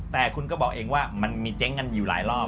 แต่คุณก็บอกเองว่ามันมีเจ๊งกันอยู่หลายรอบ